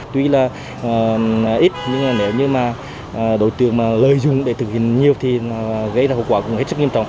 tuy là ít nhưng nếu như mà đối tượng mà lợi dụng để thực hiện nhiều thì gây ra hậu quả cũng hết sức nghiêm trọng